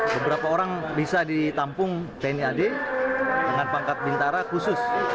beberapa orang bisa ditampung tni ad dengan pangkat bintara khusus